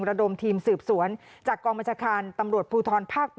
ของละดมทีมสืบสวนจากกองบัญชาการตำรวจผู้ธรภ๘